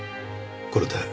これで。